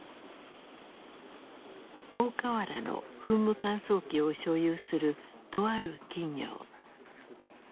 大川原の噴霧乾燥機を所有するとある企業。